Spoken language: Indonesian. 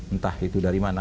entah itu dari mana